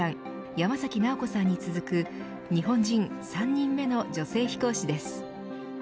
山崎直子さんに続く、日本人３人目の女性飛行士です。